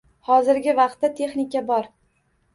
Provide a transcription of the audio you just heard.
Hozirgi vaqtda texnika bor.